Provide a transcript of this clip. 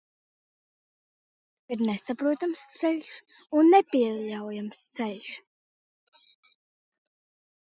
Tas ir nesaprotams ceļš un nepieļaujams ceļš.